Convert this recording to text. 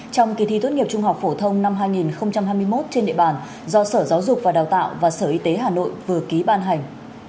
trong kỳ thi tốt nghiệp trung học phổ thông năm hai nghìn hai mươi một trên địa bàn do sở giáo dục và đào tạo và sở y tế hà nội vừa ký ban hành